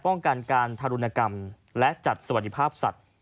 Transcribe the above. ป้องกันการทารุณกรรมและจัดสวัสดิภาพสัตว์